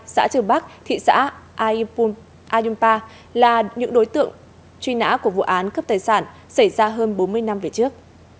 xã trường bắc thị xã ayumpa là những đối tượng truy nã của vụ án cướp tài sản xảy ra hơn bốn mươi năm về trước